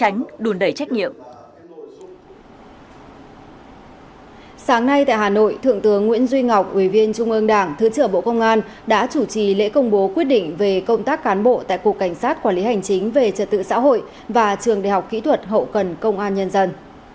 sáng nay tại hà nội thượng tướng nguyễn duy ngọc ủy viên trung ương đảng thứ trưởng bộ công an đã chủ trì lễ công bố quyết định về công tác cán bộ tại cục cảnh sát quản lý hành chính về trật tự xã hội và trường đại học kỹ thuật hậu cần công an nhân dân